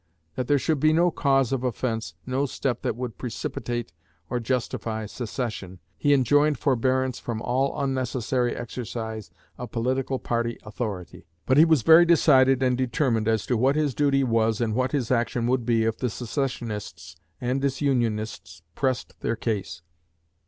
That there should be no cause of offense, no step that would precipitate or justify secession, he enjoined forbearance from all unnecessary exercise of political party authority." But he was very decided and determined as to what his duty was and what his action would be if the secessionists and disunionists pressed their case.